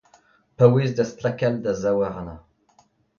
paouez da stlakal da zaouarn.